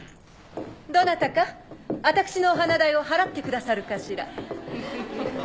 どなたかあたくしのお花代を払ってくださるかしら。